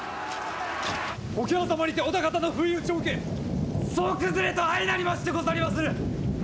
桶狭間にて織田方の不意打ちを受け総崩れと相なりましてござりまする！